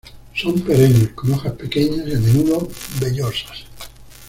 Son perennes, con hojas pequeñas y a menudo vellosas.